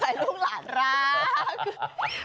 คงใส่ลูกหลานรัก